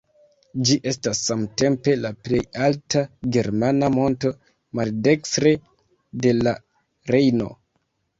Ĝi estas samtempe la plej alta germana monto maldekstre de la Rejno.